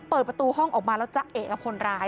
เปิดประตูห้องออกมาแล้วจะเอกกับคนร้าย